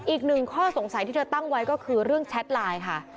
อีกหนึ่งข้อสงสัยที่เธอตั้งไว้ก็คือเรื่องแชทไลน์ค่ะ